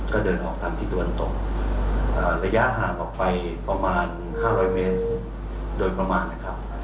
ก็เดินออกทางที่ตะวันตกระยะห่างออกไปประมาณ๕๐๐เมตรโดยประมาณนะครับ